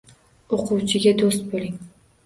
O‘quvchiga do‘st bo‘ling!